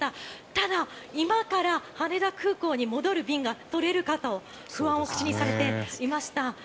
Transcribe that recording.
ただ、今から羽田空港に戻る便が取れるかと不安を口にされていました。